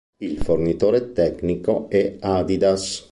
Il fornitore tecnico è Adidas.